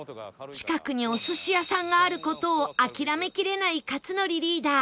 近くにお寿司屋さんがある事を諦めきれない克典リーダー